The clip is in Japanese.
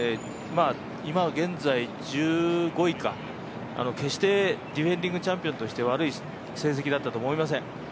今現在１５位か、決してディフェンディングチャンピオンとして悪い成績だったと思いません。